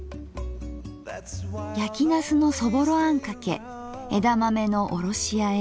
やきなすのそぼろあんかけ枝豆のおろしあえ